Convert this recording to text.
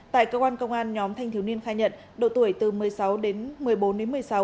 tại cơ quan công an nhóm thanh thiếu niên khai nhận độ tuổi từ một mươi sáu đến một mươi bốn đến một mươi sáu